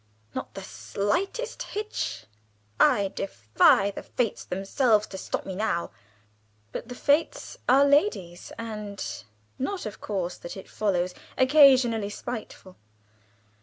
"Not the slightest hitch. I defy the fates themselves to stop me now!" But the fates are ladies, and not of course that it follows occasionally spiteful.